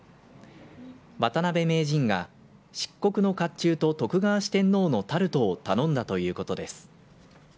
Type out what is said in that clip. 渡辺名人が漆黒の甲冑と徳川四天王のタルトを頼んだということです。